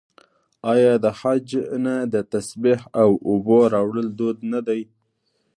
آیا د حج نه د تسبیح او اوبو راوړل دود نه دی؟